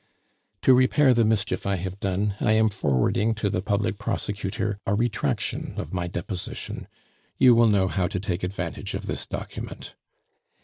"To repair the mischief I have done, I am forwarding to the public prosecutor a retraction of my deposition. You will know how to take advantage of this document.